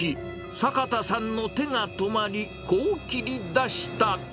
坂田さんの手が止まり、こう切り出した。